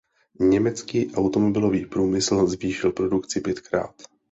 Německý automobilový průmysl zvýšil produkci pětkrát.